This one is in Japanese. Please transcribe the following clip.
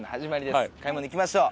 買い物行きましょう。